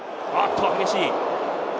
激しい。